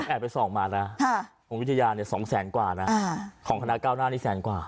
ไปส่องมานะองค์วิทยาเนี่ย๒แสนกว่านะของคณะเก้าหน้านี่แสนกว่า